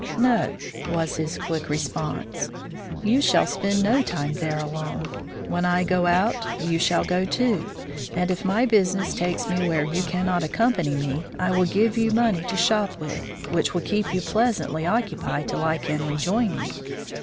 "No," was his quick response, "you shall spend no time there alone. When I go out you shall go too, and if business takes me where you cannot accompany me I will give you money to shop with, which will keep you pleasantly occupied till I can rejoin you.